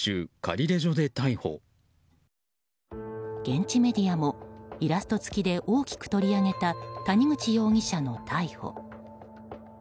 現地メディアもイラスト付きで大きく取り上げた谷口容疑者の逮捕。